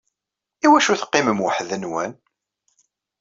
Iwacu teqqimem weḥd-wen?